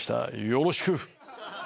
よろしく！」